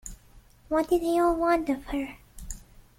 What did they all want of her?